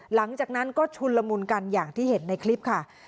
หลังจากนั้นก็ชุนละมุนกันอย่างที่เห็นในคลิปค่ะ